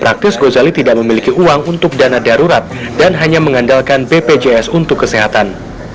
praktis gozali tidak memiliki uang untuk dana darurat dan hanya mengandalkan bpjs untuk kesehatan